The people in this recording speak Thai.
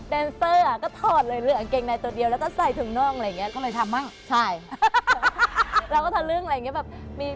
แดนเซอร์ก็ถอดเลยเลยอังเกงในตัวเดียวแล้วก็ใส่ถึงนอกอะไรอย่างนี้